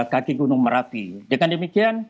kaki gunung merapi dengan demikian